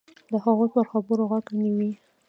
د هغوی پر خبرو غوږ نیوی.